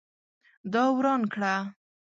دا وران کړه